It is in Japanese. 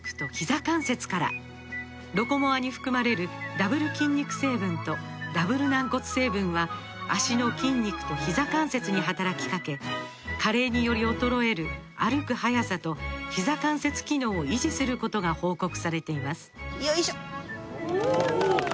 「ロコモア」に含まれるダブル筋肉成分とダブル軟骨成分は脚の筋肉とひざ関節に働きかけ加齢により衰える歩く速さとひざ関節機能を維持することが報告されていますよいしょっ！